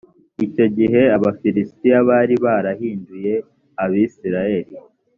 icyo gihe abafilisitiya bari barahinduye abisirayeli